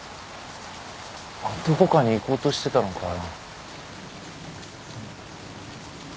どこかに行こうとしてたのかな。